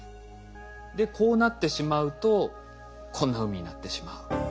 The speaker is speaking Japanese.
でこうなってしまうとこんな海になってしまう。